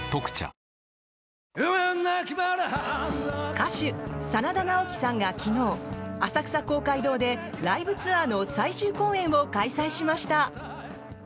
歌手・真田ナオキさんが昨日、浅草公会堂でライブツアーの最終公演を開催しました。